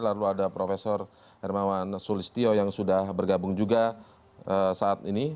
lalu ada prof hermawan sulistyo yang sudah bergabung juga saat ini